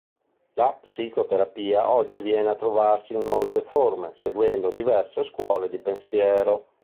La psicoterapia oggi viene a trovarsi in molte forme, seguendo diverse scuole di pensiero.